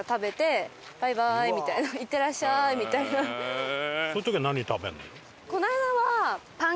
へえ！